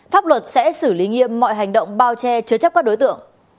pháp luật sẽ xử lý nghiêm mọi hành động bao che chứa chấp các đối tượng